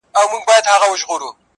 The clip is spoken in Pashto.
خدايه زارۍ کومه سوال کومه.